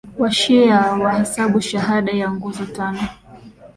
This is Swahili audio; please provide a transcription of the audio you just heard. washia hawahesabu shahada ya nguzo tano